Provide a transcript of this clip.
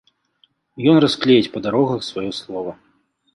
Ён расклеіць па дарогах сваё слова.